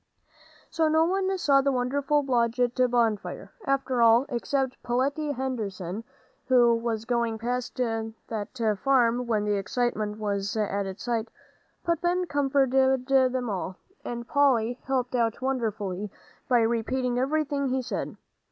So no one saw the wonderful Blodgett bonfire, after all, except Peletiah Henderson, who was going past that farm when the excitement was at its height. But Ben comforted them all, and Polly helped out wonderfully, by repeating everything he said.